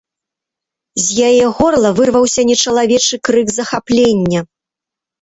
З яе горла вырваўся нечалавечы крык захаплення.